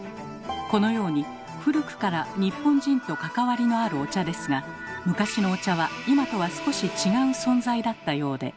このように古くから日本人と関わりのあるお茶ですが昔のお茶は今とは少し違う存在だったようで。